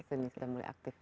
sudah mulai aktif